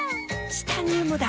チタニウムだ！